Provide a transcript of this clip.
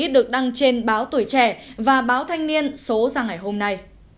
được đăng trên báo tuổi trẻ và báo thanh niên số ra ngày hôm nay